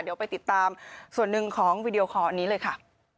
เดี๋ยวไปติดตามส่วนหนึ่งของวีดีโอคอลอันนี้เลยค่ะ